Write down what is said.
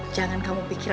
jangan kamu pikir